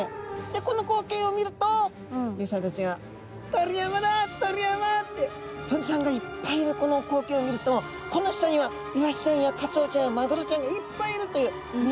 でこの光景を見ると漁師さんたちが「鳥山だあ鳥山！」って鳥さんがいっぱいいるこの光景を見るとこの下にはイワシちゃんやカツオちゃんやマグロちゃんがいっぱいいるという目安にされるわけですね。